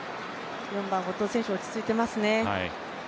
４番、後藤選手は落ち着いていますね。